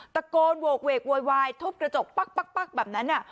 ตะโกนโวกเวกโวยวายทุบกระจกปั๊กปั๊กปั๊กแบบนั้นอ่ะ